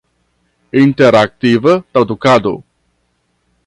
Interaktiva tradukado.